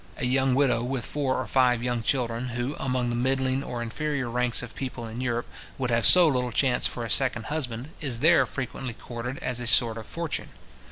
A young widow with four or five young children, who, among the middling or inferior ranks of people in Europe, would have so little chance for a second husband, is there frequently courted as a sort of fortune.